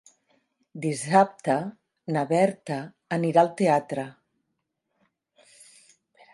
Dissabte na Berta anirà al teatre.